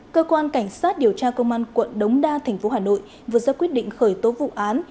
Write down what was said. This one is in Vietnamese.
cơ quan cảnh sát điều tra công an quận đống đa tp hà nội vừa ra quyết định khởi tố vụ án